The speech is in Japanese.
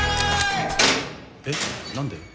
えっ何で？